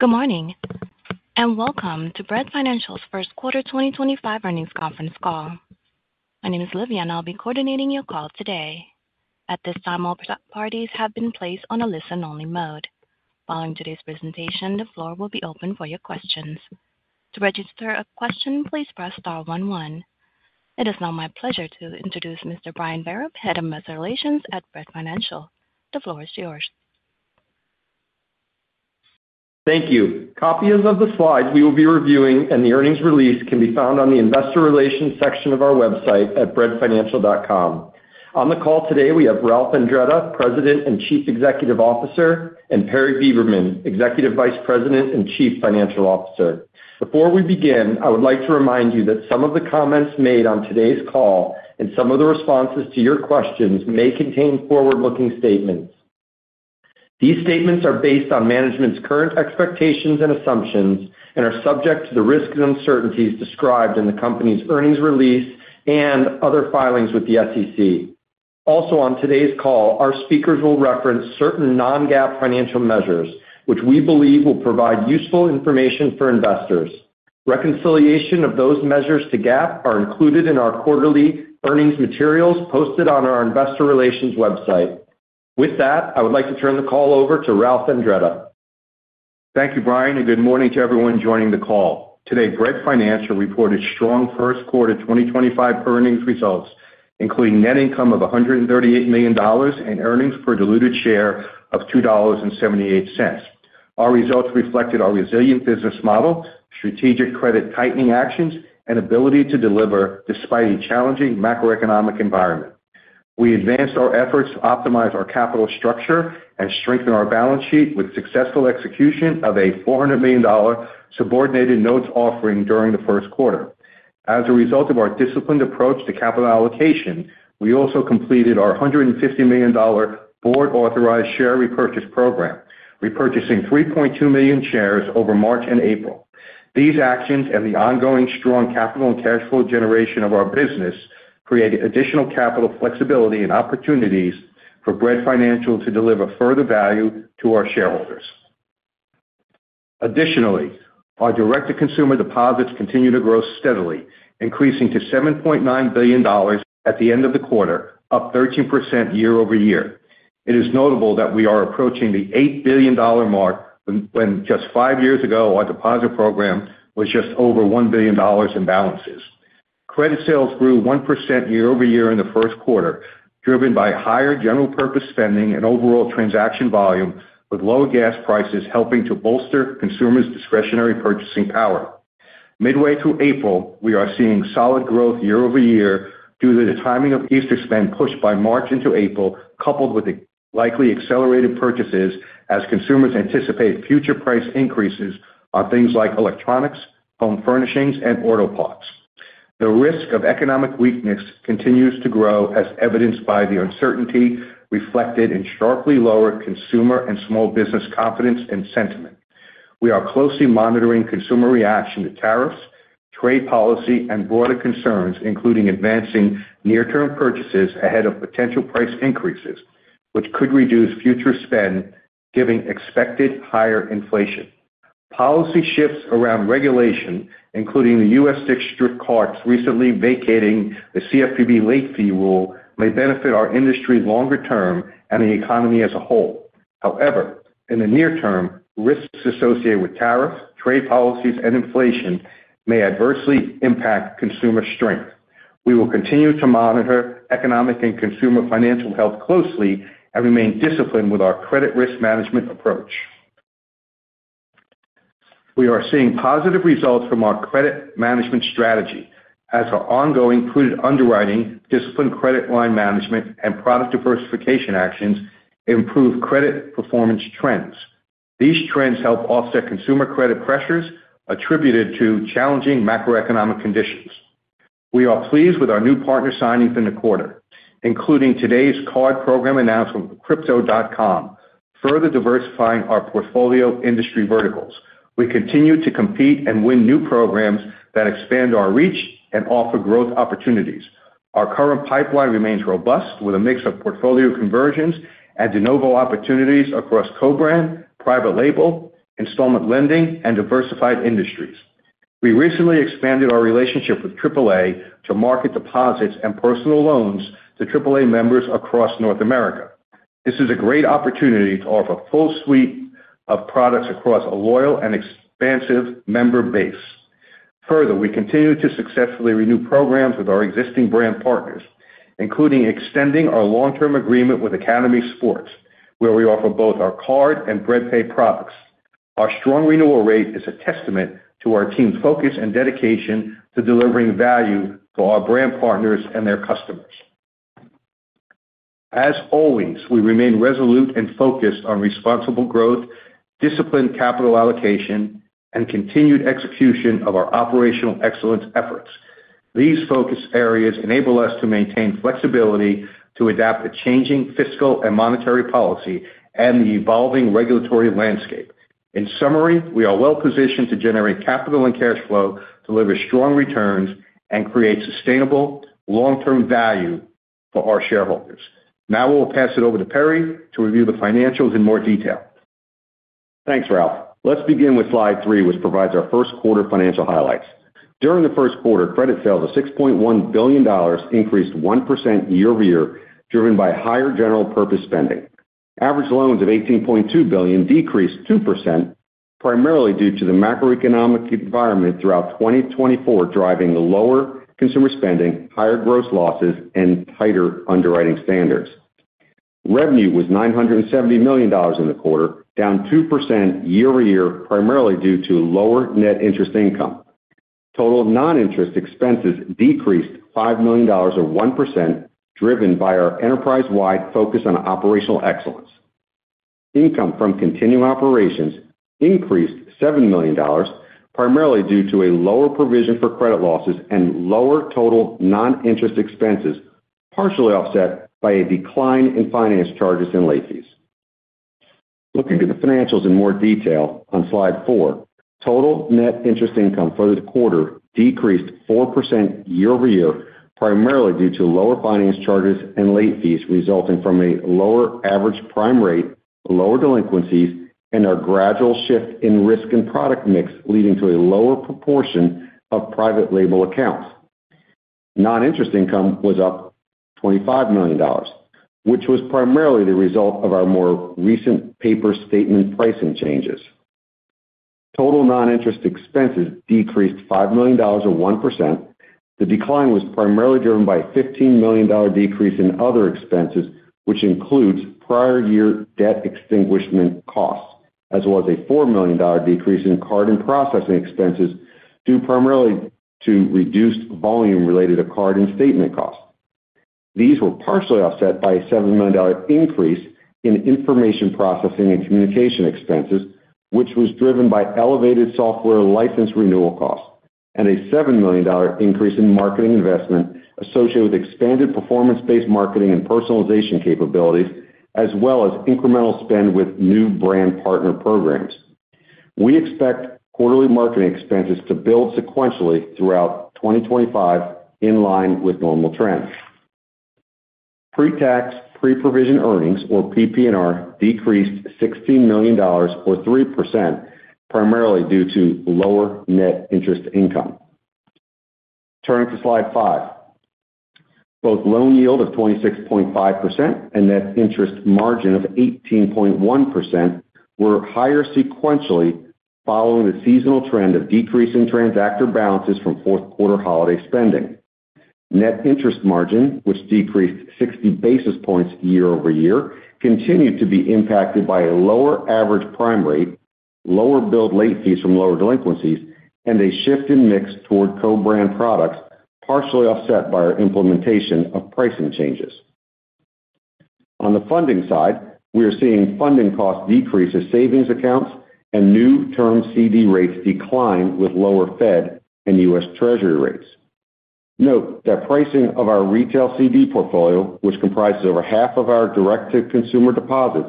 Good morning and welcome to Bread Financial's first quarter 2025 earnings conference call. My name is Livia, and I'll be coordinating your call today. At this time, all parties have been placed on a listen-only mode. Following today's presentation, the floor will be open for your questions. To register a question, please press star one one. It is now my pleasure to introduce Mr. Brian Vereb, Head of Investor Relations at Bread Financial. The floor is yours. Thank you. Copies of the slides we will be reviewing and the earnings release can be found on the Investor Relations section of our website at breadfinancial.com. On the call today, we have Ralph Andretta, President and Chief Executive Officer, and Perry Beberman, Executive Vice President and Chief Financial Officer. Before we begin, I would like to remind you that some of the comments made on today's call and some of the responses to your questions may contain forward-looking statements. These statements are based on management's current expectations and assumptions and are subject to the risks and uncertainties described in the company's earnings release and other filings with the SEC. Also, on today's call, our speakers will reference certain non-GAAP financial measures, which we believe will provide useful information for investors. Reconciliation of those measures to GAAP are included in our quarterly earnings materials posted on our Investor Relations website. With that, I would like to turn the call over to Ralph Andretta. Thank you, Brian, and good morning to everyone joining the call. Today, Bread Financial reported strong first quarter 2025 earnings results, including net income of $138 million and earnings per diluted share of $2.78. Our results reflected our resilient business model, strategic credit-tightening actions, and ability to deliver despite a challenging macroeconomic environment. We advanced our efforts to optimize our capital structure and strengthen our balance sheet with successful execution of a $400 million subordinated notes offering during the first quarter. As a result of our disciplined approach to capital allocation, we also completed our $150 million board-authorized share repurchase program, repurchasing 3.2 million shares over March and April. These actions and the ongoing strong capital and cash flow generation of our business create additional capital flexibility and opportunities for Bread Financial to deliver further value to our shareholders. Additionally, our direct-to-consumer deposits continue to grow steadily, increasing to $7.9 billion at the end of the quarter, up 13% year-over-year. It is notable that we are approaching the $8 billion mark when just five years ago, our deposit program was just over $1 billion in balances. Credit sales grew 1% year over year in the first quarter, driven by higher general-purpose spending and overall transaction volume, with lower gas prices helping to bolster consumers' discretionary purchasing power. Midway through April, we are seeing solid growth year over year due to the timing of Easter spend pushed by March into April, coupled with the likely accelerated purchases as consumers anticipate future price increases on things like electronics, home furnishings, and auto parts. The risk of economic weakness continues to grow, as evidenced by the uncertainty reflected in sharply lower consumer and small business confidence and sentiment. We are closely monitoring consumer reaction to tariffs, trade policy, and broader concerns, including advancing near-term purchases ahead of potential price increases, which could reduce future spend, given expected higher inflation. Policy shifts around regulation, including the U.S. district courts recently vacating the CFPB late fee rule, may benefit our industry longer term and the economy as a whole. However, in the near term, risks associated with tariffs, trade policies, and inflation may adversely impact consumer strength. We will continue to monitor economic and consumer financial health closely and remain disciplined with our credit risk management approach. We are seeing positive results from our credit management strategy as our ongoing prudent underwriting, disciplined credit line management, and product diversification actions improve credit performance trends. These trends help offset consumer credit pressures attributed to challenging macroeconomic conditions. We are pleased with our new partner signings in the quarter, including today's card program announcement from Crypto.com, further diversifying our portfolio industry verticals. We continue to compete and win new programs that expand our reach and offer growth opportunities. Our current pipeline remains robust, with a mix of portfolio conversions and de novo opportunities across co-brand, private label, installment lending, and diversified industries. We recently expanded our relationship with AAA to market deposits and personal loans to AAA members across North America. This is a great opportunity to offer a full suite of products across a loyal and expansive member base. Further, we continue to successfully renew programs with our existing brand partners, including extending our long-term agreement with Academy Sports, where we offer both our card and Bread Pay products. Our strong renewal rate is a testament to our team's focus and dedication to delivering value to our brand partners and their customers. As always, we remain resolute and focused on responsible growth, disciplined capital allocation, and continued execution of our operational excellence efforts. These focus areas enable us to maintain flexibility to adapt to changing fiscal and monetary policy and the evolving regulatory landscape. In summary, we are well positioned to generate capital and cash flow, deliver strong returns, and create sustainable long-term value for our shareholders. Now, we'll pass it over to Perry to review the financials in more detail. Thanks, Ralph. Let's begin with slide three, which provides our first quarter financial highlights. During the first quarter, credit sales of $6.1 billion increased 1% year-over-year, driven by higher general-purpose spending. Average loans of $18.2 billion decreased 2%, primarily due to the macroeconomic environment throughout 2024 driving lower consumer spending, higher gross losses, and tighter underwriting standards. Revenue was $970 million in the quarter, down 2% year-over-year, primarily due to lower net interest income. Total non-interest expenses decreased $5 million or 1%, driven by our enterprise-wide focus on operational excellence. Income from continuing operations increased $7 million, primarily due to a lower provision for credit losses and lower total non-interest expenses, partially offset by a decline in finance charges and late fees. Looking at the financials in more detail on slide four, total net interest income for the quarter decreased 4% year-over-year, primarily due to lower finance charges and late fees resulting from a lower average prime rate, lower delinquencies, and our gradual shift in risk and product mix, leading to a lower proportion of private label accounts. Non-interest income was up $25 million, which was primarily the result of our more recent paper statement pricing changes. Total non-interest expenses decreased $5 million or 1%. The decline was primarily driven by a $15 million decrease in other expenses, which includes prior year debt extinguishment costs, as well as a $4 million decrease in card and processing expenses due primarily to reduced volume related to card and statement costs. These were partially offset by a $7 million increase in information processing and communication expenses, which was driven by elevated software license renewal costs, and a $7 million increase in marketing investment associated with expanded performance-based marketing and personalization capabilities, as well as incremental spend with new brand partner programs. We expect quarterly marketing expenses to build sequentially throughout 2025 in line with normal trends. Pre-tax, pre-provision earnings, or PP&R, decreased $16 million or 3%, primarily due to lower net interest income. Turning to slide five, both loan yield of 26.5% and net interest margin of 18.1% were higher sequentially following the seasonal trend of decrease in transactor balances from fourth quarter holiday spending. Net interest margin, which decreased 60 basis points year-over-year, continued to be impacted by a lower average prime rate, lower billed late fees from lower delinquencies, and a shift in mix toward co-brand products, partially offset by our implementation of pricing changes. On the funding side, we are seeing funding costs decrease as savings accounts and new term CD rates decline with lower Fed and U.S. Treasury rates. Note that pricing of our retail CD portfolio, which comprises over half of our direct-to-consumer deposits,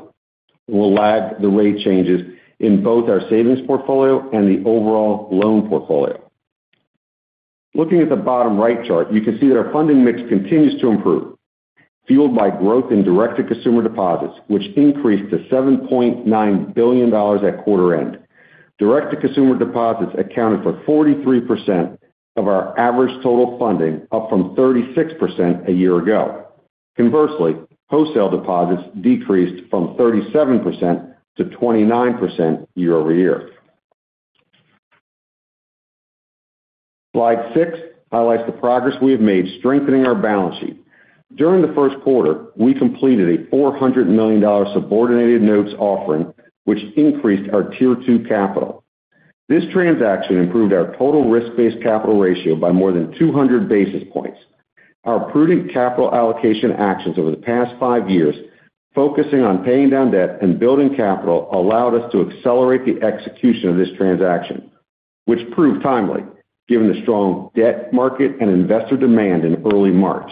will lag the rate changes in both our savings portfolio and the overall loan portfolio. Looking at the bottom right chart, you can see that our funding mix continues to improve, fueled by growth in direct-to-consumer deposits, which increased to $7.9 billion at quarter end. Direct-to-consumer deposits accounted for 43% of our average total funding, up from 36% a year ago. Conversely, wholesale deposits decreased from 37% to 29% year-over-year. Slide six highlights the progress we have made strengthening our balance sheet. During the first quarter, we completed a $400 million subordinated notes offering, which increased our tier two capital. This transaction improved our total risk-based capital ratio by more than 200 basis points. Our prudent capital allocation actions over the past five years, focusing on paying down debt and building capital, allowed us to accelerate the execution of this transaction, which proved timely, given the strong debt market and investor demand in early March.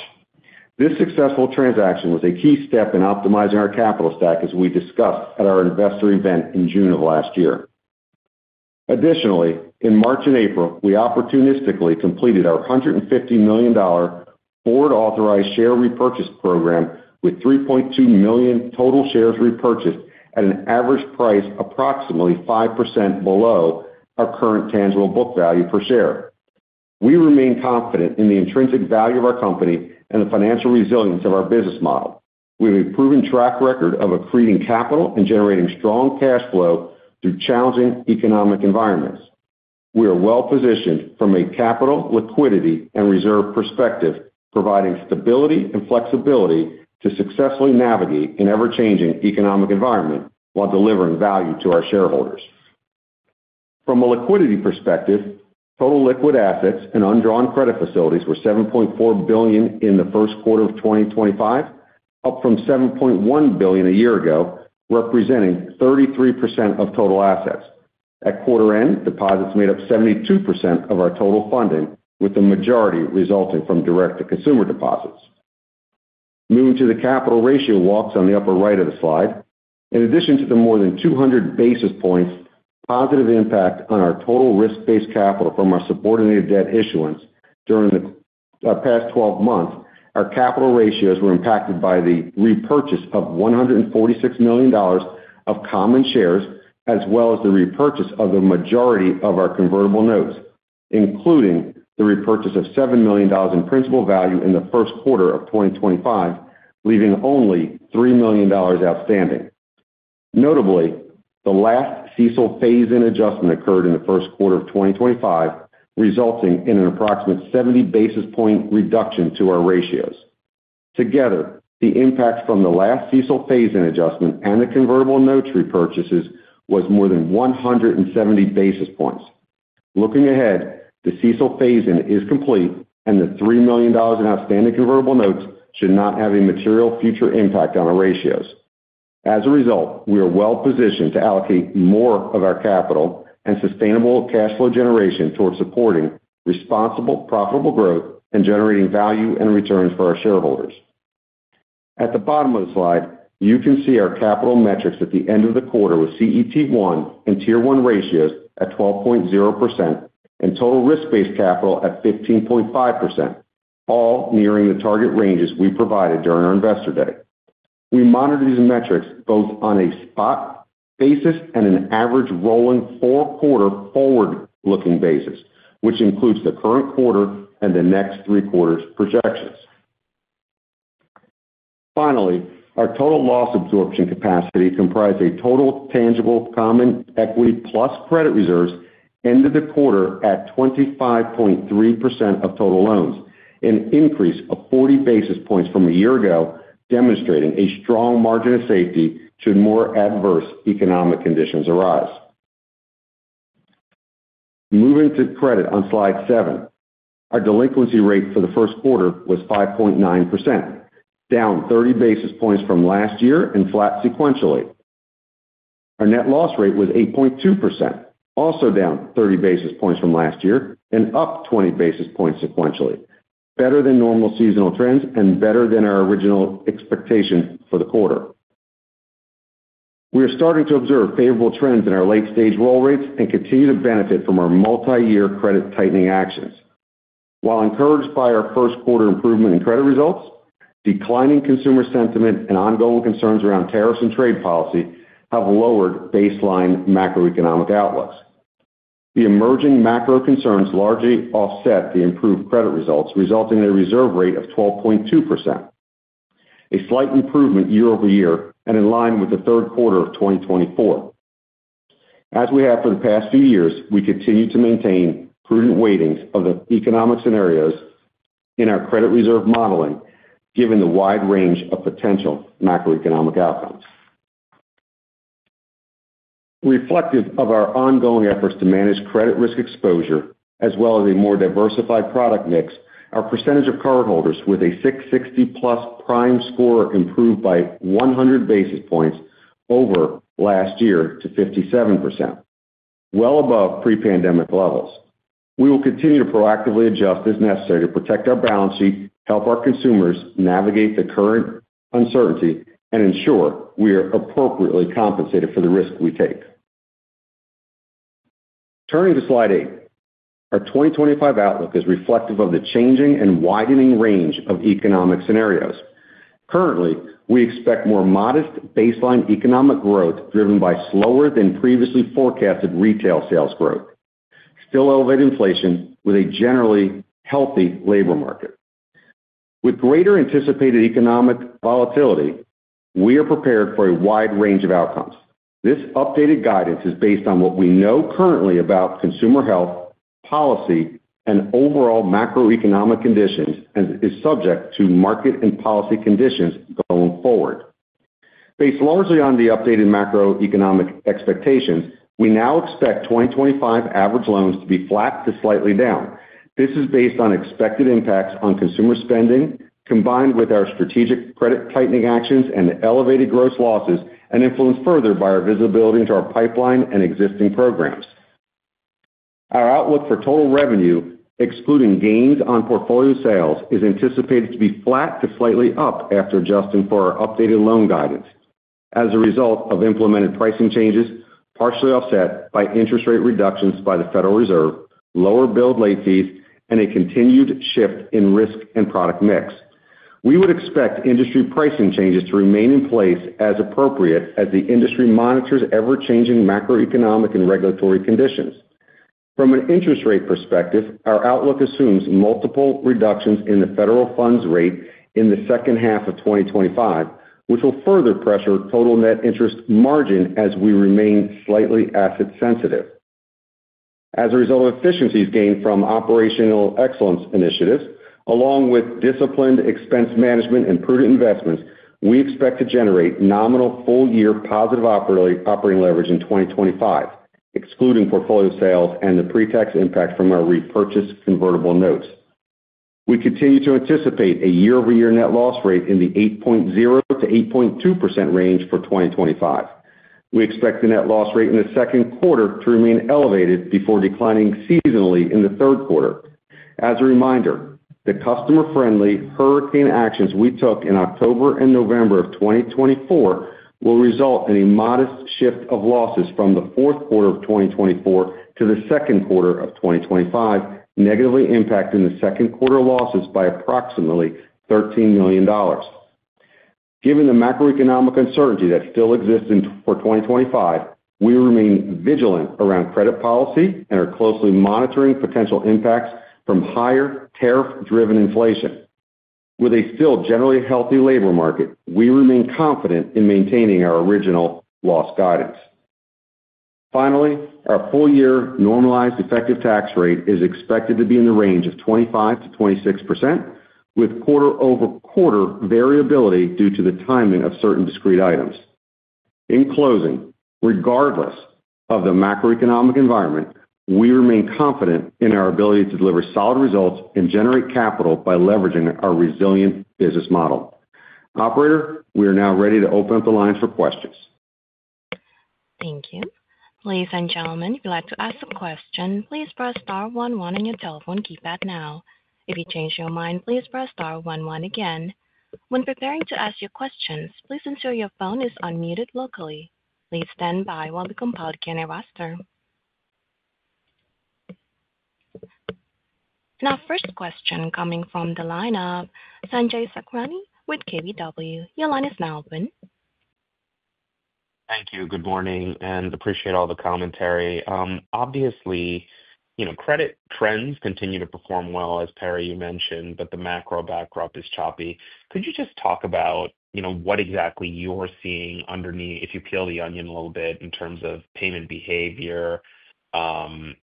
This successful transaction was a key step in optimizing our capital stack, as we discussed at our investor event in June of last year. Additionally, in March and April, we opportunistically completed our $150 million board-authorized share repurchase program, with 3.2 million total shares repurchased at an average price approximately 5% below our current tangible book value per share. We remain confident in the intrinsic value of our company and the financial resilience of our business model. We have a proven track record of accreting capital and generating strong cash flow through challenging economic environments. We are well positioned from a capital, liquidity, and reserve perspective, providing stability and flexibility to successfully navigate an ever-changing economic environment while delivering value to our shareholders. From a liquidity perspective, total liquid assets and undrawn credit facilities were $7.4 billion in the first quarter of 2025, up from $7.1 billion a year ago, representing 33% of total assets. At quarter end, deposits made up 72% of our total funding, with the majority resulting from direct-to-consumer deposits. Moving to the capital ratio walks on the upper right of the slide. In addition to the more than 200 basis points positive impact on our total risk-based capital from our subordinated debt issuance during the past 12 months, our capital ratios were impacted by the repurchase of $146 million of common shares, as well as the repurchase of the majority of our convertible notes, including the repurchase of $7 million in principal value in the first quarter of 2025, leaving only $3 million outstanding. Notably, the last CECL phase-in adjustment occurred in the first quarter of 2025, resulting in an approximate 70 basis point reduction to our ratios. Together, the impact from the last CECL phase-in adjustment and the convertible notes repurchases was more than 170 basis points. Looking ahead, the CECL phase-in is complete, and the $3 million in outstanding convertible notes should not have a material future impact on our ratios. As a result, we are well positioned to allocate more of our capital and sustainable cash flow generation toward supporting responsible, profitable growth and generating value and returns for our shareholders. At the bottom of the slide, you can see our capital metrics at the end of the quarter with CET1 and Tier 1 ratios at 12.0% and total risk-based capital at 15.5%, all nearing the target ranges we provided during our investor day. We monitor these metrics both on a spot basis and an average rolling four-quarter forward-looking basis, which includes the current quarter and the next three quarters projections. Finally, our total loss absorption capacity comprised a total tangible common equity plus credit reserves end of the quarter at 25.3% of total loans, an increase of 40 basis points from a year ago, demonstrating a strong margin of safety should more adverse economic conditions arise. Moving to credit on slide seven, our delinquency rate for the first quarter was 5.9%, down 30 basis points from last year and flat sequentially. Our net loss rate was 8.2%, also down 30 basis points from last year and up 20 basis points sequentially, better than normal seasonal trends and better than our original expectation for the quarter. We are starting to observe favorable trends in our late-stage roll rates and continue to benefit from our multi-year credit tightening actions. While encouraged by our first quarter improvement in credit results, declining consumer sentiment and ongoing concerns around tariffs and trade policy have lowered baseline macroeconomic outlooks. The emerging macro concerns largely offset the improved credit results, resulting in a reserve rate of 12.2%, a slight improvement year-over-year and in line with the third quarter of 2024. As we have for the past few years, we continue to maintain prudent weightings of the economic scenarios in our credit reserve modeling, given the wide range of potential macroeconomic outcomes. Reflective of our ongoing efforts to manage credit risk exposure, as well as a more diversified product mix, our percentage of cardholders with a 660+ prime score improved by 100 basis points over last year to 57%, well above pre-pandemic levels. We will continue to proactively adjust as necessary to protect our balance sheet, help our consumers navigate the current uncertainty, and ensure we are appropriately compensated for the risk we take. Turning to slide eight, our 2025 outlook is reflective of the changing and widening range of economic scenarios. Currently, we expect more modest baseline economic growth driven by slower than previously forecasted retail sales growth, still elevated inflation with a generally healthy labor market. With greater anticipated economic volatility, we are prepared for a wide range of outcomes. This updated guidance is based on what we know currently about consumer health, policy, and overall macroeconomic conditions and is subject to market and policy conditions going forward. Based largely on the updated macroeconomic expectations, we now expect 2025 average loans to be flat to slightly down. This is based on expected impacts on consumer spending, combined with our strategic credit tightening actions and elevated gross losses, and influenced further by our visibility into our pipeline and existing programs. Our outlook for total revenue, excluding gains on portfolio sales, is anticipated to be flat to slightly up after adjusting for our updated loan guidance. As a result of implemented pricing changes, partially offset by interest rate reductions by the Federal Reserve, lower billed late fees, and a continued shift in risk and product mix, we would expect industry pricing changes to remain in place as appropriate as the industry monitors ever-changing macroeconomic and regulatory conditions. From an interest rate perspective, our outlook assumes multiple reductions in the federal funds rate in the second half of 2025, which will further pressure total net interest margin as we remain slightly asset-sensitive. As a result of efficiencies gained from operational excellence initiatives, along with disciplined expense management and prudent investments, we expect to generate nominal full-year positive operating leverage in 2025, excluding portfolio sales and the pre-tax impact from our repurchased convertible notes. We continue to anticipate a year-over-year net loss rate in the 8.0%-8.2% range for 2025. We expect the net loss rate in the second quarter to remain elevated before declining seasonally in the third quarter. As a reminder, the customer-friendly hurricane actions we took in October and November of 2024 will result in a modest shift of losses from the fourth quarter of 2024 to the second quarter of 2025, negatively impacting the second quarter losses by approximately $13 million. Given the macroeconomic uncertainty that still exists for 2025, we remain vigilant around credit policy and are closely monitoring potential impacts from higher tariff-driven inflation. With a still generally healthy labor market, we remain confident in maintaining our original loss guidance. Finally, our full-year normalized effective tax rate is expected to be in the range of 25%-26%, with quarter-over-quarter variability due to the timing of certain discrete items. In closing, regardless of the macroeconomic environment, we remain confident in our ability to deliver solid results and generate capital by leveraging our resilient business model. Operator, we are now ready to open up the lines for questions. Thank you. Ladies and gentlemen, if you'd like to ask a question, please press star one one on your telephone keypad now. If you change your mind, please press star one one again. When preparing to ask your questions, please ensure your phone is unmuted locally. Please stand by while we compile the Q&A roster. Our first question coming from the line of Sanjay Sakhrani with KBW. Your line is now open. Thank you. Good morning and appreciate all the commentary. Obviously, credit trends continue to perform well, as Perry you mentioned, but the macro backdrop is choppy. Could you just talk about what exactly you're seeing underneath, if you peel the onion a little bit, in terms of payment behavior,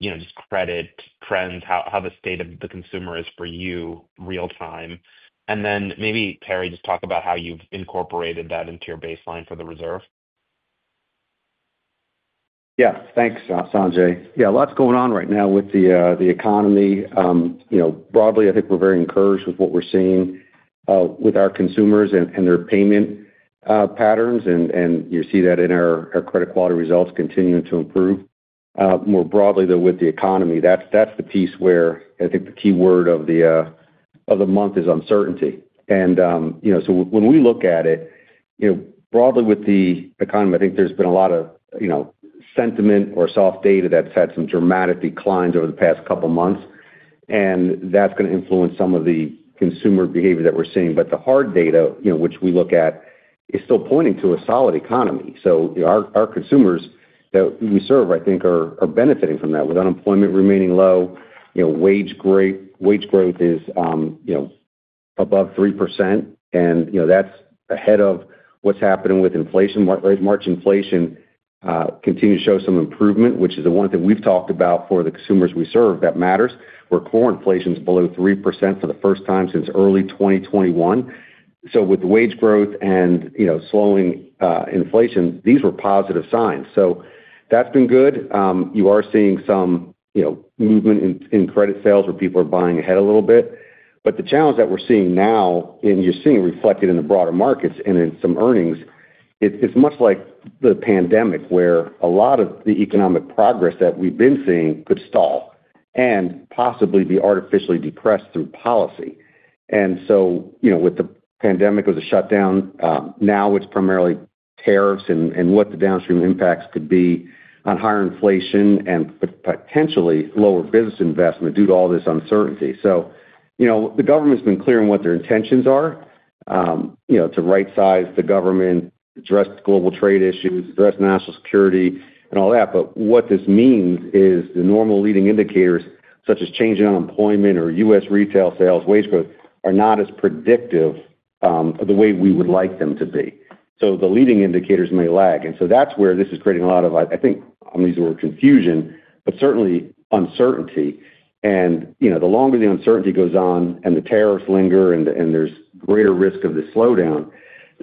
just credit trends, how the state of the consumer is for you real-time? Maybe, Perry, just talk about how you've incorporated that into your baseline for the reserve. Yeah. Thanks, Sanjay. Yeah, lots going on right now with the economy. Broadly, I think we're very encouraged with what we're seeing with our consumers and their payment patterns, and you see that in our credit quality results continuing to improve. More broadly, though, with the economy, that's the piece where I think the key word of the month is uncertainty. When we look at it, broadly with the economy, I think there's been a lot of sentiment or soft data that's had some dramatic declines over the past couple of months, and that's going to influence some of the consumer behavior that we're seeing. The hard data, which we look at, is still pointing to a solid economy. Our consumers that we serve, I think, are benefiting from that, with unemployment remaining low, wage growth is above 3%, and that's ahead of what's happening with inflation. March inflation continues to show some improvement, which is the one thing we've talked about for the consumers we serve that matters. Core inflation is below 3% for the first time since early 2021. With wage growth and slowing inflation, these were positive signs. That's been good. You are seeing some movement in credit sales where people are buying ahead a little bit. The challenge that we're seeing now, and you're seeing reflected in the broader markets and in some earnings, is much like the pandemic where a lot of the economic progress that we've been seeing could stall and possibly be artificially depressed through policy. With the pandemic, it was a shutdown. Now it's primarily tariffs and what the downstream impacts could be on higher inflation and potentially lower business investment due to all this uncertainty. The government's been clear on what their intentions are to right-size the government, address global trade issues, address national security, and all that. What this means is the normal leading indicators, such as changing unemployment or U.S. retail sales, wage growth, are not as predictive of the way we would like them to be. The leading indicators may lag. That is where this is creating a lot of, I think, I am going to use the word confusion, but certainly uncertainty. The longer the uncertainty goes on and the tariffs linger and there is greater risk of the slowdown,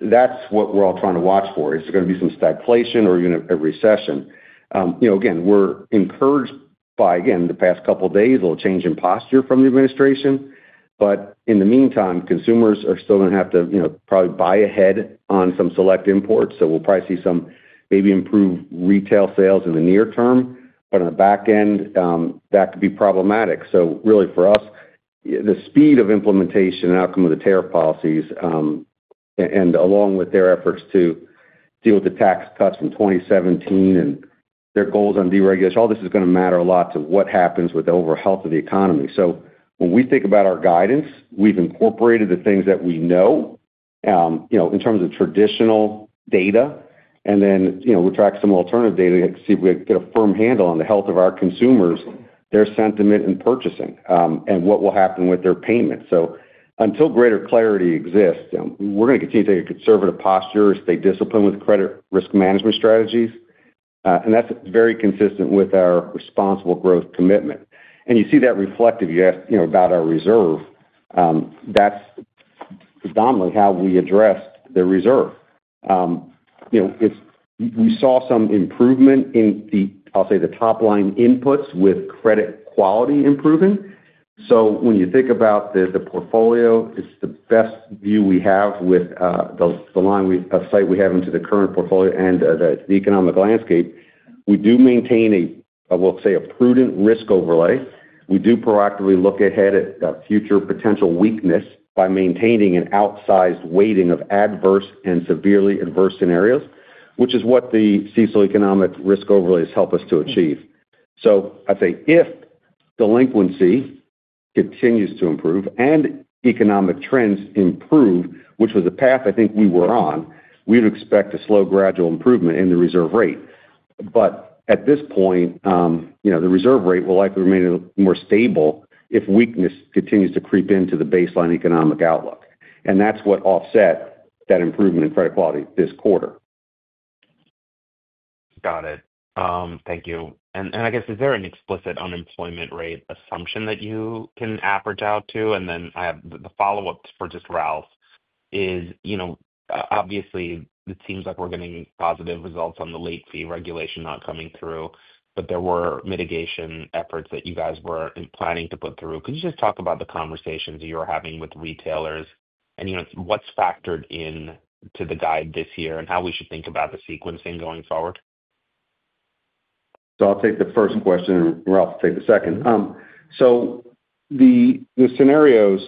that is what we are all trying to watch for. Is there going to be some stagflation or even a recession? Again, we are encouraged by, again, the past couple of days, a little change in posture from the administration. In the meantime, consumers are still going to have to probably buy ahead on some select imports. We will probably see some maybe improved retail sales in the near term. On the back end, that could be problematic. Really, for us, the speed of implementation and outcome of the tariff policies, along with their efforts to deal with the tax cuts from 2017 and their goals on deregulation, all this is going to matter a lot to what happens with the overall health of the economy. When we think about our guidance, we've incorporated the things that we know in terms of traditional data, and then we'll track some alternative data to see if we get a firm handle on the health of our consumers, their sentiment in purchasing, and what will happen with their payments. Until greater clarity exists, we're going to continue to take a conservative posture, stay disciplined with credit risk management strategies, and that's very consistent with our responsible growth commitment. You see that reflected about our reserve. That's predominantly how we address the reserve. We saw some improvement in the, I'll say, the top-line inputs with credit quality improving. When you think about the portfolio, it's the best view we have with the line of sight we have into the current portfolio and the economic landscape. We do maintain, I will say, a prudent risk overlay. We do proactively look ahead at future potential weakness by maintaining an outsized weighting of adverse and severely adverse scenarios, which is what the CISO economic risk overlays help us to achieve. I'd say if delinquency continues to improve and economic trends improve, which was the path I think we were on, we would expect a slow, gradual improvement in the reserve rate. At this point, the reserve rate will likely remain more stable if weakness continues to creep into the baseline economic outlook. That's what offset that improvement in credit quality this quarter. Got it. Thank you. I guess, is there an explicit unemployment rate assumption that you can average out to? I have the follow-up for just Ralph. Obviously, it seems like we're getting positive results on the late fee regulation not coming through, but there were mitigation efforts that you guys were planning to put through. Could you just talk about the conversations you were having with retailers and what's factored into the guide this year and how we should think about the sequencing going forward? I'll take the first question, and Ralph will take the second. The scenarios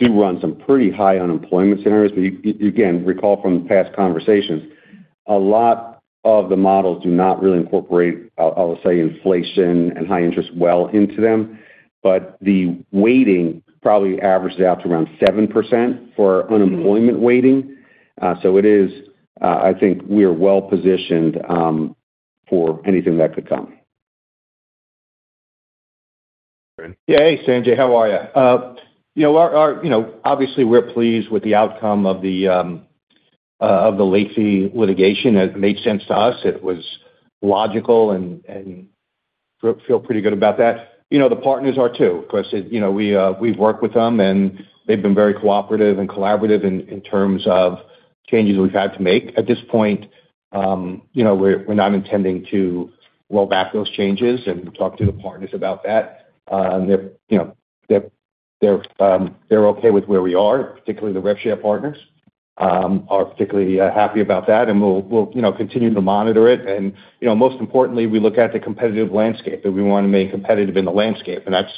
do run some pretty high unemployment scenarios. Again, recall from past conversations, a lot of the models do not really incorporate, I'll say, inflation and high interest well into them. The weighting probably averages out to around 7% for unemployment weighting.I think we are well positioned for anything that could come. Yeah. Hey, Sanjay. How are you? Obviously, we're pleased with the outcome of the late fee litigation. It made sense to us. It was logical, and I feel pretty good about that. The partners are too, of course. We've worked with them, and they've been very cooperative and collaborative in terms of changes we've had to make. At this point, we're not intending to roll back those changes and talk to the partners about that. They're okay with where we are, particularly the rev share partners, are particularly happy about that, and we'll continue to monitor it. Most importantly, we look at the competitive landscape that we want to make competitive in the landscape, and that's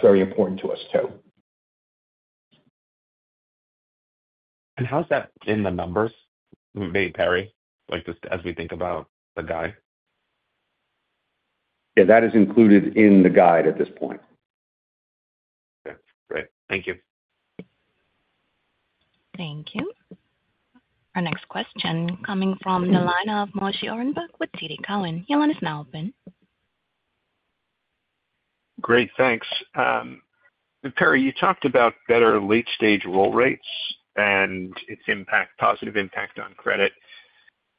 very important to us too. How's that in the numbers, Perry, just as we think about the guide? Yeah. That is included in the guide at this point. Okay. Great. Thank you. Thank you. Our next question coming from the line of Moshe Orenbuch with TD Cowen. Your line is now open. Great. Thanks. Perry, you talked about better late-stage roll rates and its positive impact on credit.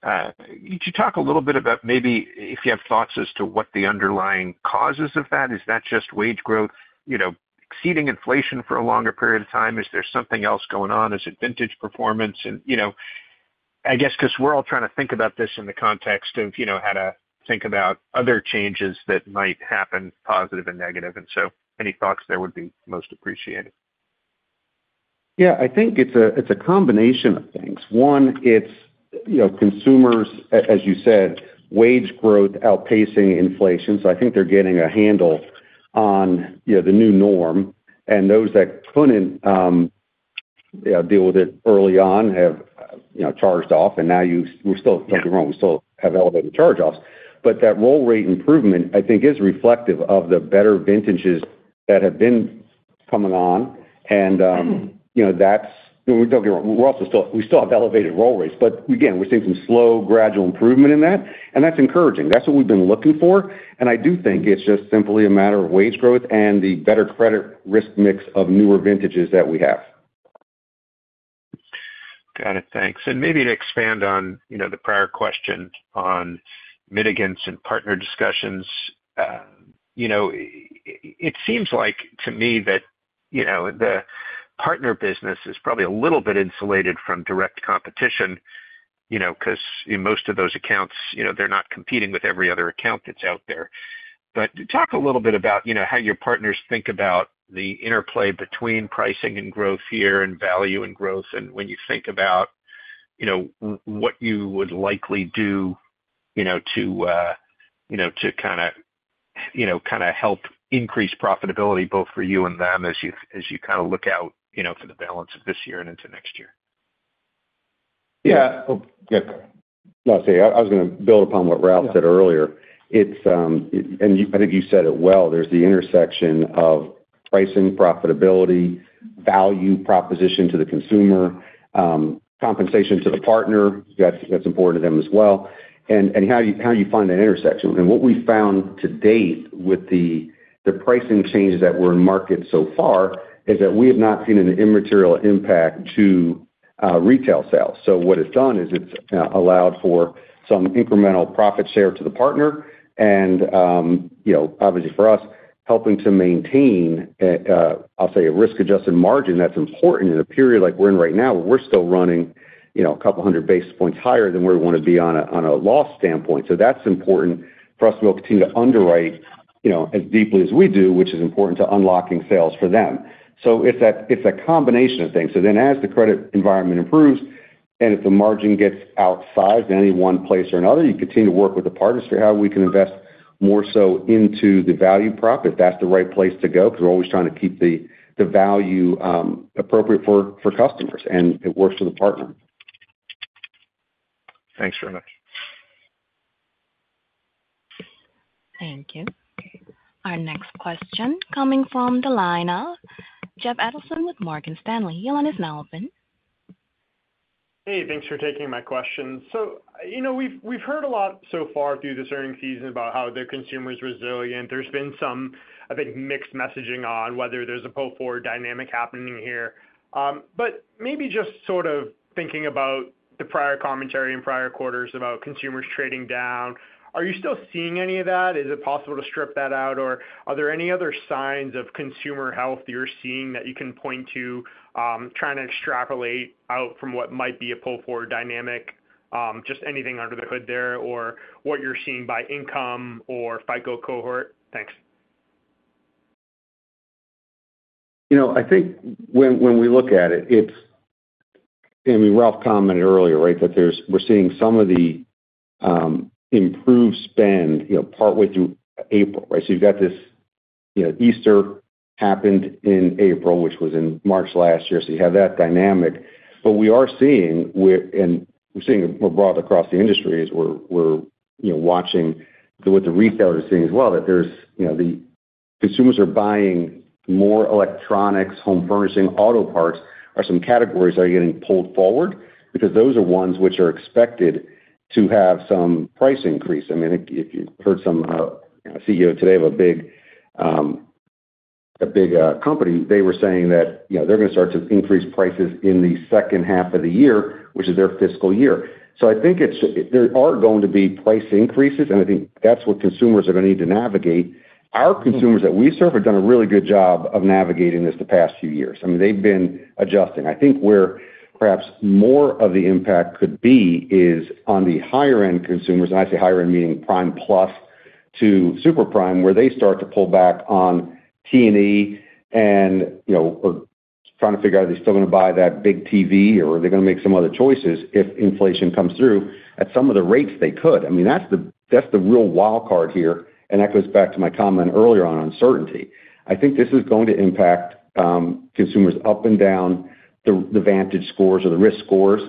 Could you talk a little bit about maybe if you have thoughts as to what the underlying causes of that? Is that just wage growth exceeding inflation for a longer period of time? Is there something else going on? Is it vintage performance? I guess because we are all trying to think about this in the context of how to think about other changes that might happen, positive and negative. Any thoughts there would be most appreciated. Yeah. I think it is a combination of things. One, it is consumers, as you said, wage growth outpacing inflation. I think they're getting a handle on the new norm, and those that couldn't deal with it early on have charged off. We still—don't get me wrong—we still have elevated charge-offs. That roll rate improvement, I think, is reflective of the better vintages that have been coming on. We are still having elevated roll rates. Again, we're seeing some slow, gradual improvement in that, and that's encouraging. That's what we've been looking for. I do think it's just simply a matter of wage growth and the better credit risk mix of newer vintages that we have. Got it. Thanks. Maybe to expand on the prior question on mitigants and partner discussions, it seems like to me that the partner business is probably a little bit insulated from direct competition because most of those accounts, they're not competing with every other account that's out there. Talk a little bit about how your partners think about the interplay between pricing and growth here and value and growth. When you think about what you would likely do to kind of help increase profitability both for you and them as you kind of look out for the balance of this year and into next year. Yeah. No, I was going to build upon what Ralph said earlier. I think you said it well. There's the intersection of pricing, profitability, value proposition to the consumer, compensation to the partner. That's important to them as well. How do you find that intersection? What we found to date with the pricing changes that were in market so far is that we have not seen an immaterial impact to retail sales. What it has done is it has allowed for some incremental profit share to the partner. Obviously, for us, helping to maintain, I'll say, a risk-adjusted margin, that's important in a period like we're in right now where we're still running a couple 100 basis points higher than where we want to be on a loss standpoint. That is important for us to be able to continue to underwrite as deeply as we do, which is important to unlocking sales for them. It is a combination of things. As the credit environment improves and if the margin gets outsized in any one place or another, you continue to work with the partners for how we can invest more so into the value prop if that's the right place to go because we're always trying to keep the value appropriate for customers, and it works for the partner. Thanks very much. Thank you. Our next question coming from the line of Jeff Adelson with Morgan Stanley. Your line is now open. Hey. Thanks for taking my questions. We have heard a lot so far through this earnings season about how the consumer is resilient. There has been some, I think, mixed messaging on whether there is a pull-forward dynamic happening here. Maybe just sort of thinking about the prior commentary in prior quarters about consumers trading down, are you still seeing any of that? Is it possible to strip that out? Or are there any other signs of consumer health you're seeing that you can point to trying to extrapolate out from what might be a pull-forward dynamic, just anything under the hood there or what you're seeing by income or FICO cohort? Thanks. I think when we look at it, I mean, Ralph commented earlier, right, that we're seeing some of the improved spend partway through April, right? You have this Easter happened in April, which was in March last year. You have that dynamic. We are seeing, and we're seeing more broadly across the industry as we're watching what the retailers are seeing as well, that consumers are buying more electronics, home furnishing, auto parts, or some categories are getting pulled forward because those are ones which are expected to have some price increase. I mean, if you've heard some CEO today of a big company, they were saying that they're going to start to increase prices in the second half of the year, which is their fiscal year. I think there are going to be price increases, and I think that's what consumers are going to need to navigate. Our consumers that we serve have done a really good job of navigating this the past few years. I mean, they've been adjusting. I think where perhaps more of the impact could be is on the higher-end consumers. I say higher-end meaning Prime Plus to Super Prime, where they start to pull back on T&E and are trying to figure out if they're still going to buy that big TV or are they going to make some other choices if inflation comes through at some of the rates they could. I mean, that's the real wild card here. That goes back to my comment earlier on uncertainty. I think this is going to impact consumers up and down the VantageScores or the risk scores.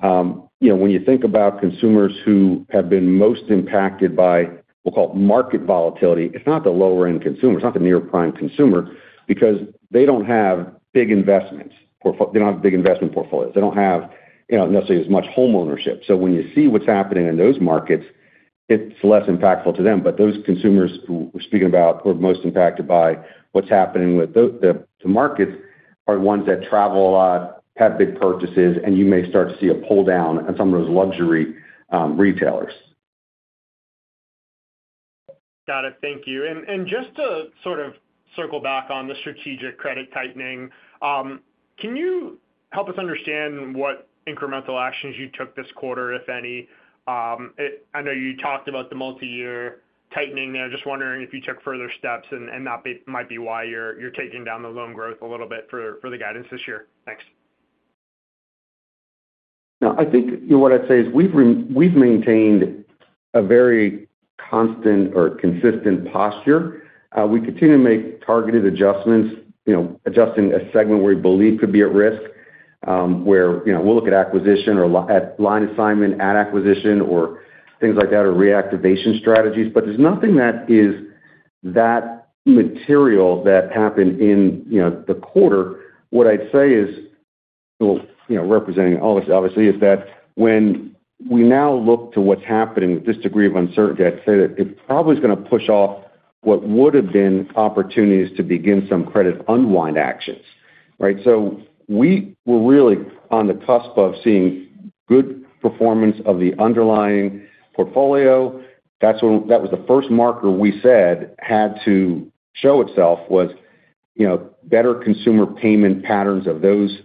When you think about consumers who have been most impacted by, we'll call it, market volatility, it's not the lower-end consumers. It's not the near-prime consumer because they don't have big investments. They don't have big investment portfolios. They don't have necessarily as much homeownership. When you see what's happening in those markets, it's less impactful to them. Those consumers who we're speaking about who are most impacted by what's happening with the markets are the ones that travel a lot, have big purchases, and you may start to see a pull down on some of those luxury retailers. Got it. Thank you. Just to sort of circle back on the strategic credit tightening, can you help us understand what incremental actions you took this quarter, if any? I know you talked about the multi-year tightening there. Just wondering if you took further steps and that might be why you're taking down the loan growth a little bit for the guidance this year. Thanks. I think what I'd say is we've maintained a very constant or consistent posture. We continue to make targeted adjustments, adjusting a segment where we believe could be at risk, where we'll look at acquisition or line assignment at acquisition or things like that or reactivation strategies. There is nothing that is that material that happened in the quarter. What I'd say is, representing all this, obviously, is that when we now look to what's happening with this degree of uncertainty, I'd say that it probably is going to push off what would have been opportunities to begin some credit unwind actions, right? We were really on the cusp of seeing good performance of the underlying portfolio. That was the first marker we said had to show itself was better consumer payment patterns of those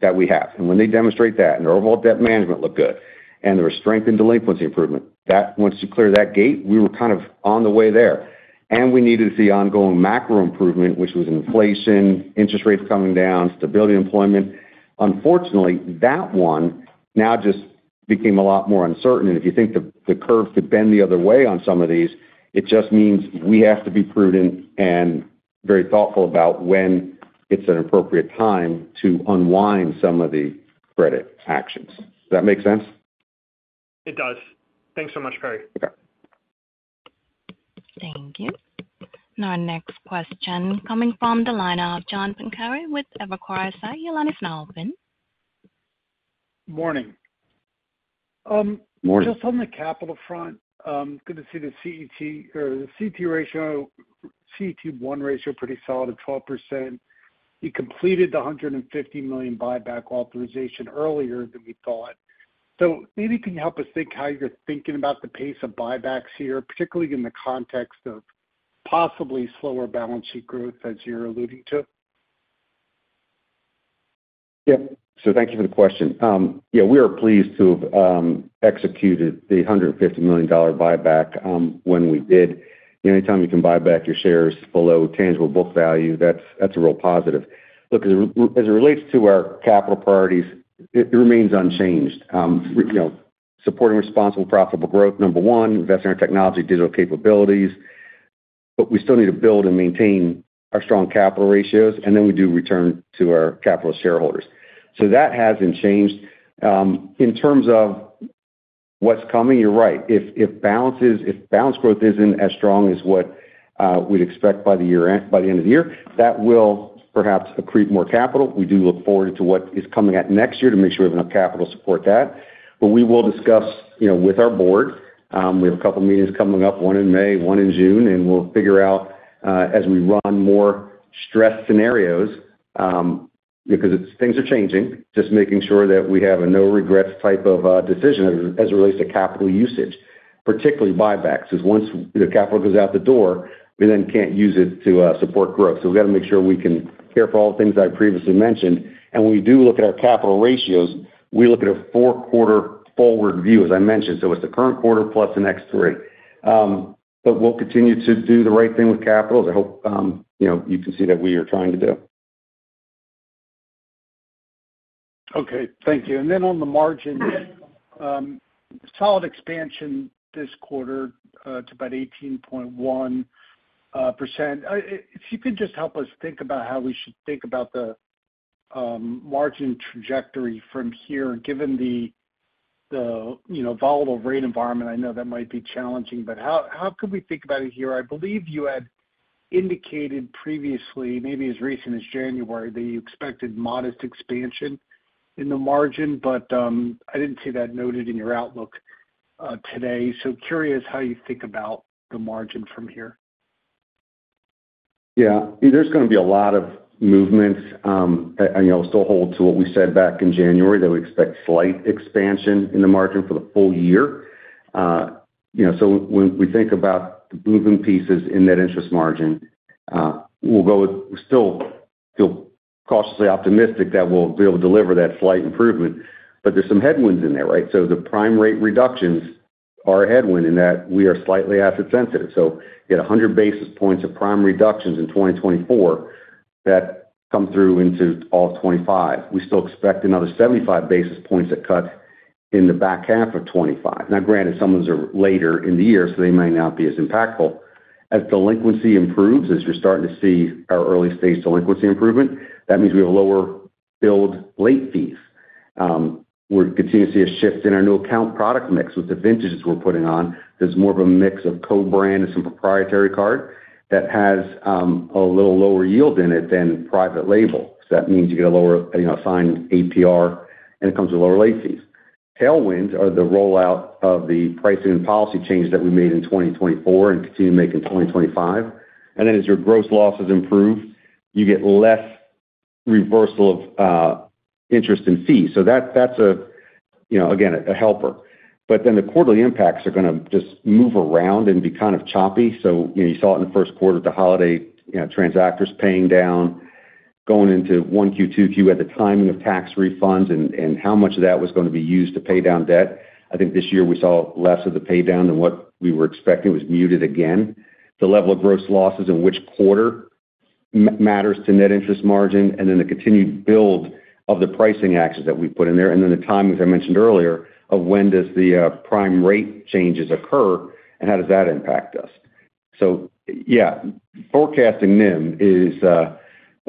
that we have. When they demonstrate that and their overall debt management looked good and there was strength and delinquency improvement, that once you clear that gate, we were kind of on the way there. We needed to see ongoing macro improvement, which was inflation, interest rates coming down, stability, employment. Unfortunately, that one now just became a lot more uncertain. If you think the curve could bend the other way on some of these, it just means we have to be prudent and very thoughtful about when it's an appropriate time to unwind some of the credit actions. Does that make sense? It does. Thanks so much, Perry. Thank you. Our next question coming from the line of John Pancari with Evercore ISI. Your line is now open. Morning. Morning. Just on the capital front, good to see the CET1 ratio pretty solid at 12%. You completed the $150 million buyback authorization earlier than we thought. Maybe can you help us think how you're thinking about the pace of buybacks here, particularly in the context of possibly slower balance sheet growth, as you're alluding to? Yep. Thank you for the question. Yeah. We are pleased to have executed the $150 million buyback when we did. Anytime you can buy back your shares below tangible book value, that's a real positive. Look, as it relates to our capital priorities, it remains unchanged. Supporting responsible, profitable growth, number one, investing in our technology, digital capabilities. We still need to build and maintain our strong capital ratios, and then we do return to our capital shareholders. That has not changed. In terms of what's coming, you're right. If balance growth is not as strong as what we'd expect by the end of the year, that will perhaps accrete more capital. We do look forward to what is coming at next year to make sure we have enough capital to support that. We will discuss with our board. We have a couple of meetings coming up, one in May, one in June, and we'll figure out as we run more stressed scenarios because things are changing, just making sure that we have a no-regrets type of decision as it relates to capital usage, particularly buybacks. Because once the capital goes out the door, we then can't use it to support growth. We've got to make sure we can care for all the things I previously mentioned. When we do look at our capital ratios, we look at a four-quarter forward view, as I mentioned. It's the current quarter plus the next three. We'll continue to do the right thing with capital, as I hope you can see that we are trying to do. Okay. Thank you. On the margins, solid expansion this quarter to about 18.1%. If you could just help us think about how we should think about the margin trajectory from here, given the volatile rate environment, I know that might be challenging. How could we think about it here? I believe you had indicated previously, maybe as recent as January, that you expected modest expansion in the margin, but I did not see that noted in your outlook today. Curious how you think about the margin from here. Yeah. There is going to be a lot of movement. I still hold to what we said back in January that we expect slight expansion in the margin for the full year. When we think about the moving pieces in that interest margin, we still feel cautiously optimistic that we will be able to deliver that slight improvement. There are some headwinds in there, right? The prime rate reductions are a headwind in that we are slightly asset-sensitive. You get 100 basis points of prime reductions in 2024 that come through into all of 2025. We still expect another 75 basis points of cuts in the back half of 2025. Now, granted, some of those are later in the year, so they may not be as impactful. As delinquency improves, as you're starting to see our early-stage delinquency improvement, that means we have lower billed late fees. We're continuing to see a shift in our new account product mix with the vintages we're putting on. There's more of a mix of co-brand and some proprietary card that has a little lower yield in it than private label. That means you get a lower assigned APR, and it comes with lower late fees. Tailwinds are the rollout of the pricing and policy changes that we made in 2024 and continue to make in 2025. As your gross losses improve, you get less reversal of interest and fees. That is, again, a helper. The quarterly impacts are going to just move around and be kind of choppy. You saw it in the first quarter with the holiday transactors paying down, going into 1Q, 2Q at the timing of tax refunds and how much of that was going to be used to pay down debt. I think this year we saw less of the paydown than what we were expecting. It was muted again. The level of gross losses in which quarter matters to net interest margin, and then the continued build of the pricing actions that we put in there. The timing, as I mentioned earlier, of when the prime rate changes occur and how that impacts us? Forecasting them is a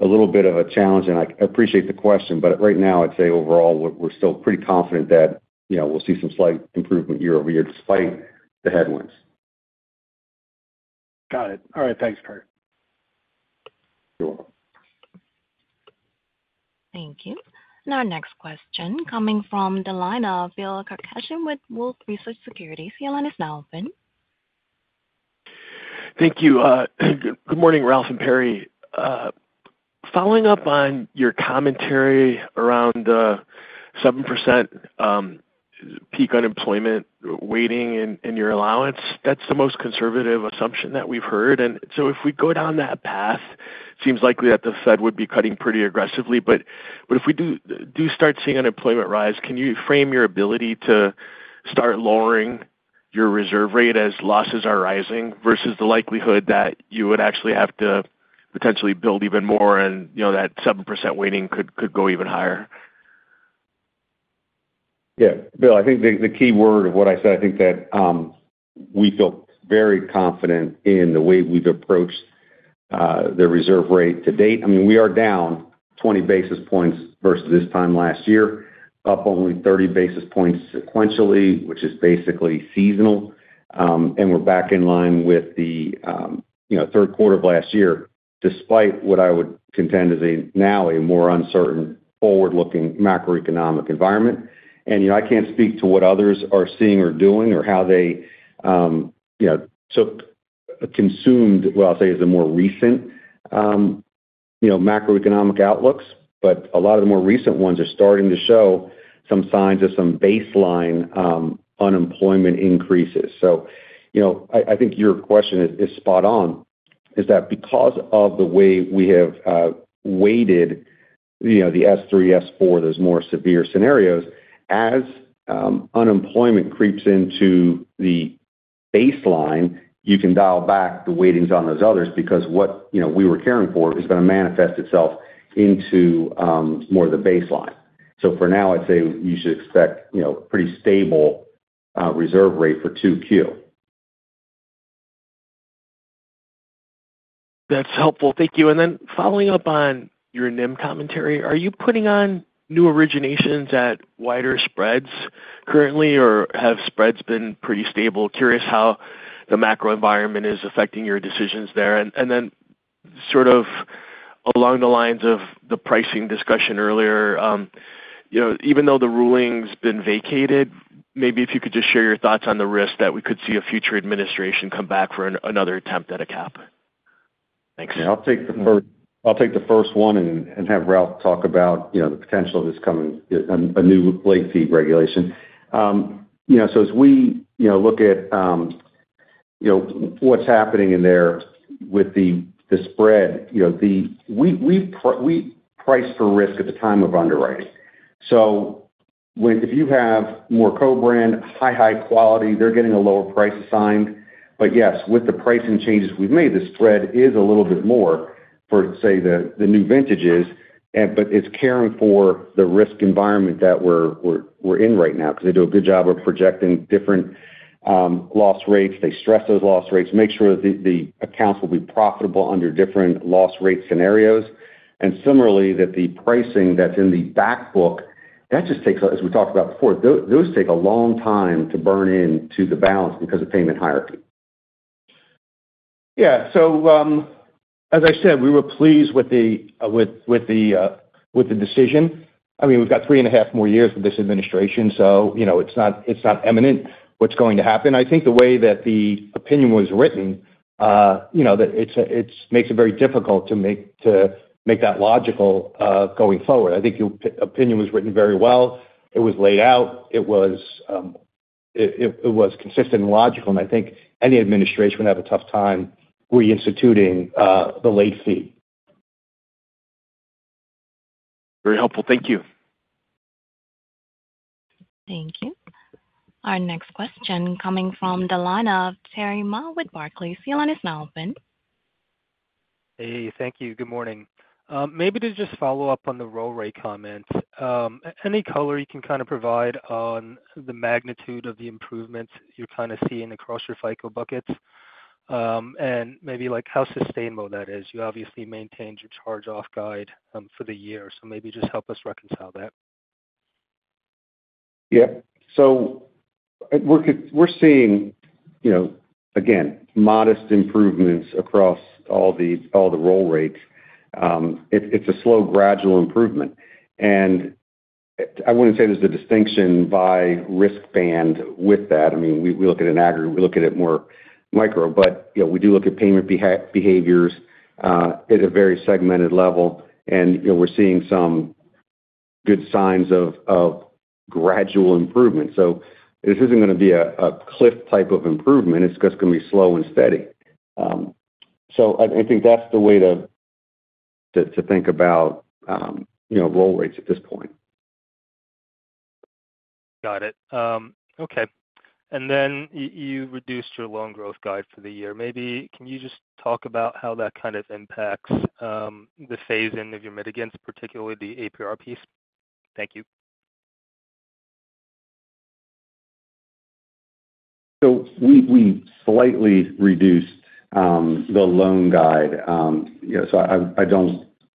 little bit of a challenge, and I appreciate the question. Right now, I'd say overall, we're still pretty confident that we'll see some slight improvement year over year despite the headwinds. Got it. All right. Thanks, Perry. You're welcome. Thank you. Our next question coming from the line of Bill Carcache with Wolfe Research. Your line is now open. Thank you. Good morning, Ralph and Perry. Following up on your commentary around the 7% peak unemployment waiting in your allowance, that's the most conservative assumption that we've heard. If we go down that path, it seems likely that the Fed would be cutting pretty aggressively. If we do start seeing unemployment rise, can you frame your ability to start lowering your reserve rate as losses are rising versus the likelihood that you would actually have to potentially build even more and that 7% weighting could go even higher? Yeah. Bill, I think the key word of what I said, I think that we feel very confident in the way we've approached the reserve rate to date. I mean, we are down 20 basis points versus this time last year, up only 30 basis points sequentially, which is basically seasonal. We are back in line with the third quarter of last year, despite what I would contend is now a more uncertain, forward-looking macroeconomic environment. I can't speak to what others are seeing or doing or how they took a consumed, what I'll say is the more recent macroeconomic outlooks. A lot of the more recent ones are starting to show some signs of some baseline unemployment increases. I think your question is spot on, is that because of the way we have weighted the S3, S4, those more severe scenarios, as unemployment creeps into the baseline, you can dial back the weightings on those others because what we were caring for is going to manifest itself into more of the baseline. For now, I'd say you should expect a pretty stable reserve rate for 2Q. That's helpful. Thank you. Following up on your NIM commentary, are you putting on new originations at wider spreads currently, or have spreads been pretty stable? Curious how the macro environment is affecting your decisions there. Then sort of along the lines of the pricing discussion earlier, even though the ruling's been vacated, maybe if you could just share your thoughts on the risk that we could see a future administration come back for another attempt at a cap. Thanks. Yeah. I'll take the first one and have Ralph talk about the potential of this coming a new late fee regulation. As we look at what's happening in there with the spread, we price for risk at the time of underwriting. If you have more co-brand, high, high quality, they're getting a lower price assigned. Yes, with the pricing changes we've made, the spread is a little bit more for, say, the new vintages. It's caring for the risk environment that we're in right now because they do a good job of projecting different loss rates. They stress those loss rates, make sure that the accounts will be profitable under different loss rate scenarios. Similarly, that the pricing that's in the backbook, that just takes, as we talked about before, those take a long time to burn into the balance because of payment hierarchy. Yeah. As I said, we were pleased with the decision. I mean, we've got three and a half more years with this administration, so it's not imminent what's going to happen. I think the way that the opinion was written, it makes it very difficult to make that logical going forward. I think the opinion was written very well. It was laid out. It was consistent and logical. I think any administration would have a tough time reinstituting the late fee. Very helpful. Thank you. Thank you. Our next question coming from the line of Terry McNulty with Barclays. Your line is now open. Hey. Thank you. Good morning. Maybe to just follow up on the roll rate comments, any color you can kind of provide on the magnitude of the improvements you're kind of seeing across your FICO buckets and maybe how sustainable that is. You obviously maintained your charge-off guide for the year. Maybe just help us reconcile that. Yep. We're seeing, again, modest improvements across all the roll rates. It's a slow, gradual improvement. I wouldn't say there's a distinction by risk band with that. I mean, we look at an aggregate. We look at it more micro. We do look at payment behaviors at a very segmented level. We're seeing some good signs of gradual improvement. This isn't going to be a cliff type of improvement. It's just going to be slow and steady. I think that's the way to think about roll rates at this point. Got it. Okay. You reduced your loan growth guide for the year. Maybe can you just talk about how that kind of impacts the phase-in of your mitigants, particularly the APR piece? Thank you. We slightly reduced the loan guide.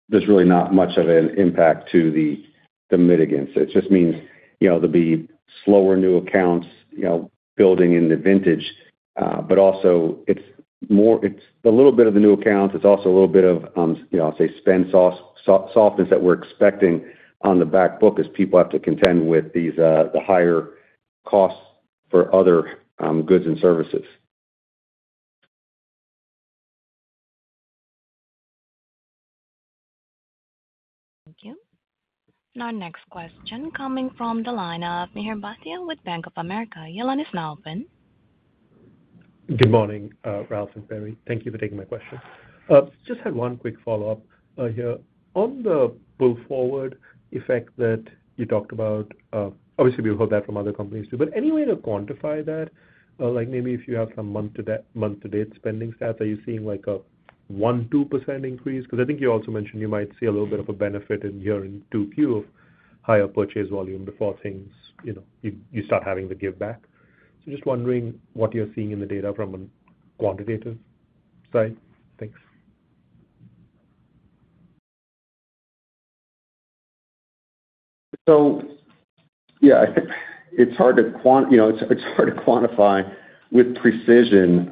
There's really not much of an impact to the mitigants. It just means there'll be slower new accounts building in the vintage. Also, it's a little bit of the new accounts. It's also a little bit of, I'll say, spend softness that we're expecting on the backbook as people have to contend with the higher costs for other goods and services. Thank you. Our next question coming from the line of Mihir Bhatia with Bank of America. Your line is now open. Good morning, Ralph and Perry. Thank you for taking my question. Just had one quick follow-up here. On the pull forward effect that you talked about, obviously, we've heard that from other companies too. Any way to quantify that? Maybe if you have some month-to-date spending stats, are you seeing a 1-2% increase? I think you also mentioned you might see a little bit of a benefit in year in 2Q of higher purchase volume before things you start having the give back. Just wondering what you're seeing in the data from a quantitative side. Thanks. I think it's hard to quantify with precision.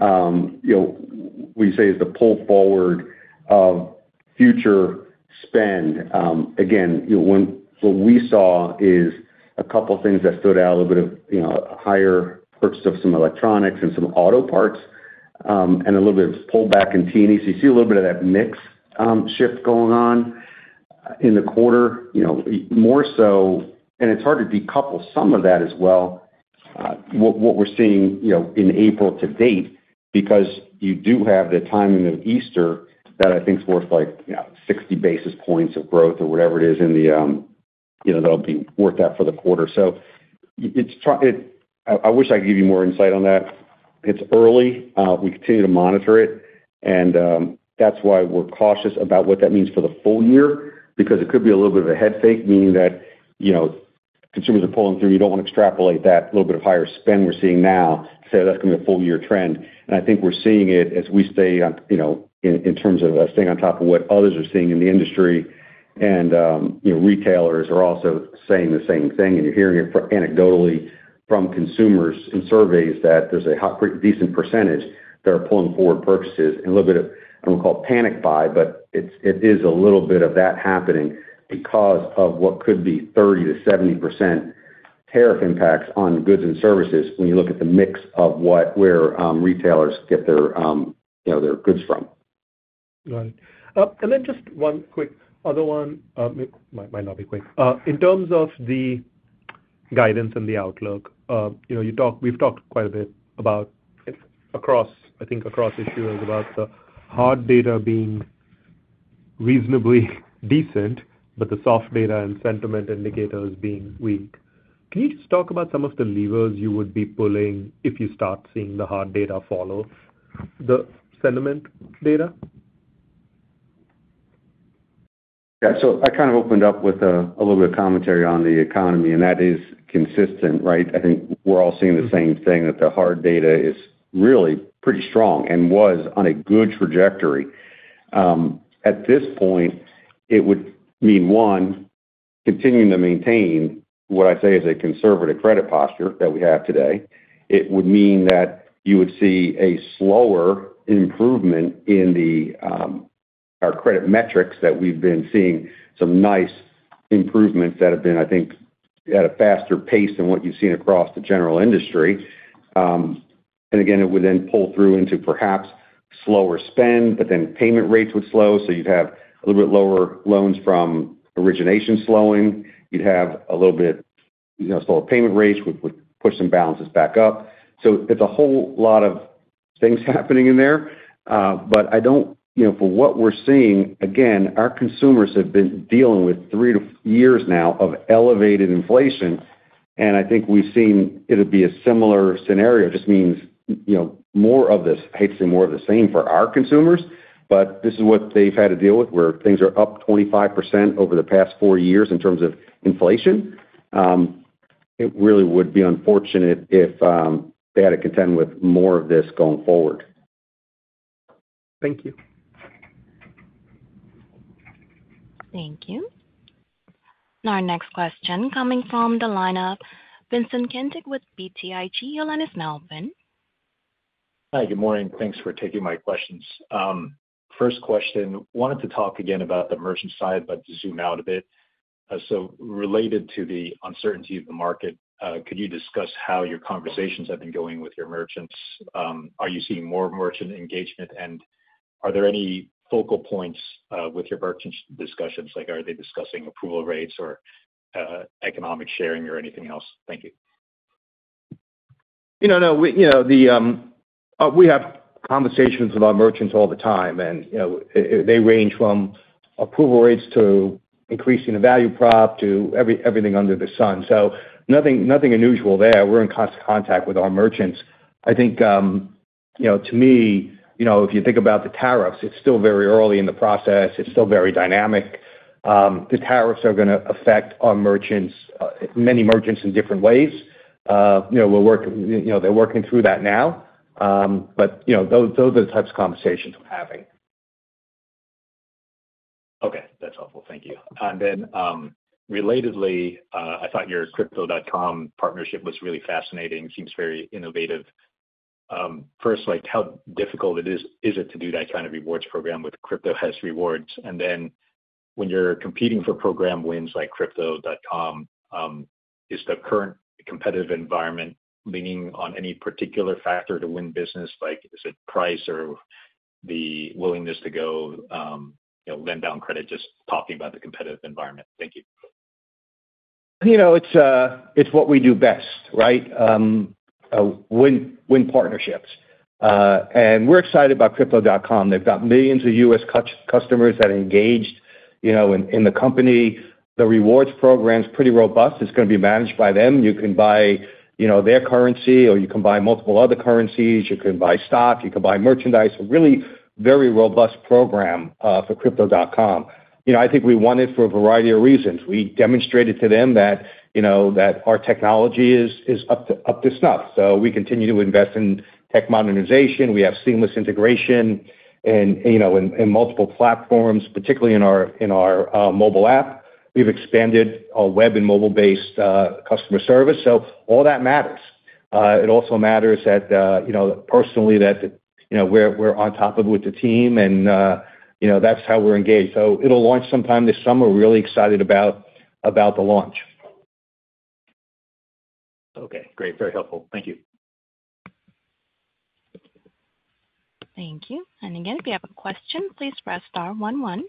We say it's the pull forward of future spend. Again, what we saw is a couple of things that stood out, a little bit of higher purchase of some electronics and some auto parts and a little bit of pullback in T&E. You see a little bit of that mix shift going on in the quarter more so. It is hard to decouple some of that as well, what we are seeing in April to date, because you do have the timing of Easter that I think is worth 60 basis points of growth or whatever it is that will be worth that for the quarter. I wish I could give you more insight on that. It is early. We continue to monitor it. That is why we are cautious about what that means for the full year because it could be a little bit of a head fake, meaning that consumers are pulling through. You don't want to extrapolate that little bit of higher spend we're seeing now to say that's going to be a full-year trend. I think we're seeing it as we stay in terms of staying on top of what others are seeing in the industry. Retailers are also saying the same thing. You're hearing it anecdotally from consumers in surveys that there's a decent percentage that are pulling forward purchases and a little bit of, I don't want to call it panic buy, but it is a little bit of that happening because of what could be 30%-70% tariff impacts on goods and services when you look at the mix of where retailers get their goods from. Got it. Just one quick other one. It might not be quick. In terms of the guidance and the outlook, we've talked quite a bit across, I think across issues about the hard data being reasonably decent, but the soft data and sentiment indicators being weak. Can you just talk about some of the levers you would be pulling if you start seeing the hard data follow the sentiment data? Yeah. I kind of opened up with a little bit of commentary on the economy, and that is consistent, right? I think we're all seeing the same thing, that the hard data is really pretty strong and was on a good trajectory. At this point, it would mean, one, continuing to maintain what I say is a conservative credit posture that we have today. It would mean that you would see a slower improvement in our credit metrics that we've been seeing some nice improvements that have been, I think, at a faster pace than what you've seen across the general industry. Again, it would then pull through into perhaps slower spend, but then payment rates would slow. You'd have a little bit lower loans from origination slowing. You'd have a little bit slower payment rates, which would push some balances back up. There's a whole lot of things happening in there. For what we're seeing, again, our consumers have been dealing with three years now of elevated inflation. I think we've seen it would be a similar scenario. It just means more of this. I hate to say more of the same for our consumers, but this is what they've had to deal with where things are up 25% over the past four years in terms of inflation. It really would be unfortunate if they had to contend with more of this going forward. Thank you. Thank you. Our next question coming from the line of Vincent Caintic with BTIG. Your line is now open. Hi. Good morning. Thanks for taking my questions. First question, wanted to talk again about the merchant side but zoom out a bit. Related to the uncertainty of the market, could you discuss how your conversations have been going with your merchants? Are you seeing more merchant engagement? Are there any focal points with your merchant discussions? Are they discussing approval rates or economic sharing or anything else? Thank you. No, no. We have conversations with our merchants all the time. They range from approval rates to increasing the value prop to everything under the sun. Nothing unusual there. We're in constant contact with our merchants. I think to me, if you think about the tariffs, it's still very early in the process. It's still very dynamic. The tariffs are going to affect our merchants, many merchants in different ways. They're working through that now. Those are the types of conversations we're having. Okay. That's helpful. Thank you. Relatedly, I thought your Crypto.com partnership was really fascinating. Seems very innovative. First, how difficult is it to do that kind of rewards program with CryptoHealth rewards? When you're competing for program wins like Crypto.com, is the current competitive environment leaning on any particular factor to win business? Is it price or the willingness to go lend down credit? Just talking about the competitive environment. Thank you. It's what we do best, right? Win partnerships. We're excited about Crypto.com. They've got millions of U.S. customers that are engaged in the company. The rewards program's pretty robust. It's going to be managed by them. You can buy their currency, or you can buy multiple other currencies. You can buy stock. You can buy merchandise. Really very robust program for Crypto.com. I think we won it for a variety of reasons. We demonstrated to them that our technology is up to snuff. We continue to invest in tech modernization. We have seamless integration in multiple platforms, particularly in our mobile app. We've expanded our web and mobile-based customer service. All that matters. It also matters personally that we're on top of it with the team. That is how we're engaged. It will launch sometime this summer. We're really excited about the launch. Okay. Great. Very helpful. Thank you. Thank you. If you have a question, please press star one one.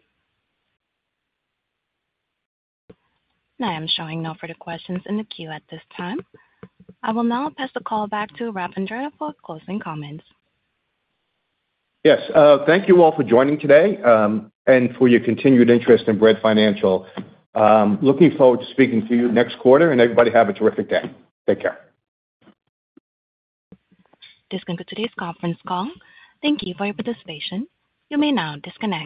I am showing no further questions in the queue at this time. I will now pass the call back to Ralph Andretta for closing comments. Yes. Thank you all for joining today and for your continued interest in Bread Financial. Looking forward to speaking to you next quarter. Everybody have a terrific day. Take care. This concludes today's conference call. Thank you for your participation. You may now disconnect.